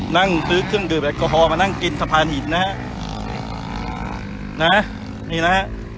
นั่งซื้อเครื่องดื่มแอลกอฮอลมานั่งกินสะพานหินนะฮะนี่นะฮะ